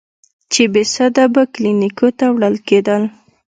چې بېسده به کلينيکو ته وړل کېدل.